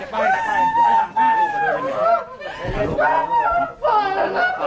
ไม่ค่อยราบลื้อเลย